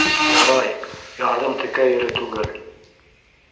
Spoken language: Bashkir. Ярай, ярҙың текә ере түгел.